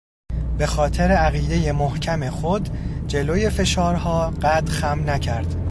به خاطر عقیدهٔ محکم خود، جلوی فشارها قد خم نکرد